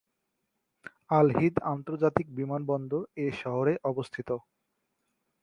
আল-হিদ আন্তর্জাতিক বিমান বন্দর এ শহরে অবস্থিত।